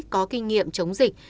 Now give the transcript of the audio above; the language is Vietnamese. có kinh nghiệm chống dịch